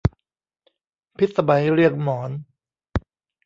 พิสมัยเรียงหมอน